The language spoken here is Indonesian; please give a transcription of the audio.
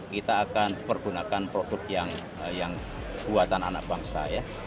kita akan pergunakan produk yang buatan anak bangsa ya